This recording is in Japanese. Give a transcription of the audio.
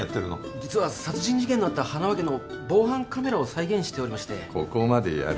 実は殺人事件のあった塙家の防犯カメラを再現しておりましてここまでやる？